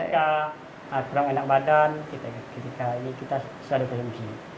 jadi ketika kurang enak badan kita selalu konsumsi